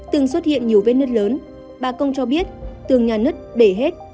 từng xuất hiện nhiều vết nứt lớn bà công cho biết tường nhà nứt bể hết